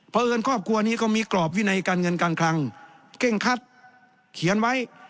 เพราะเอิญครอบครัวนี้ก็มีกรอบวินัยการเงินการคลังเก้งคัดเขียนไว้